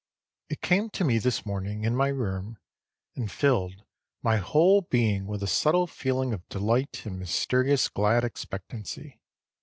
It came to me this morning, in my room, and filled my whole being with a subtle feeling of delight and mysterious glad expectancy.